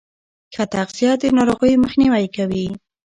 ښه تغذیه د ناروغیو مخنیوی کوي.